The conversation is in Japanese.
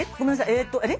えとあれ？